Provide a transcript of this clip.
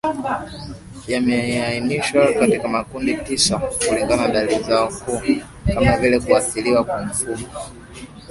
yameanishwa katika makundi tisa kulingana na dalili zao kuu kama vile kuathiriwa kwa mfumo